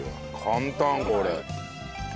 簡単これ。